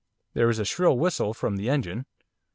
There was a shrill whistle from the engine.